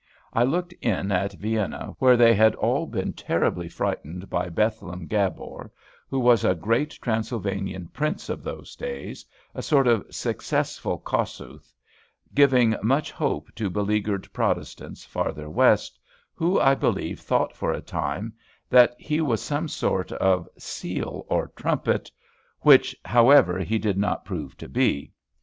I looked in at Vienna, where they had all been terribly frightened by Bethlem Gabor, who was a great Transylvanian prince of those days, a sort of successful Kossuth, giving much hope to beleaguered Protestants farther west, who, I believe, thought for a time that he was some sort of seal or trumpet, which, however, he did not prove to be.